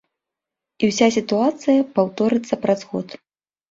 І ўся сітуацыя паўторыцца праз год.